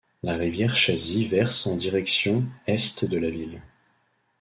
La rivière Chazy verse en direction est de la ville.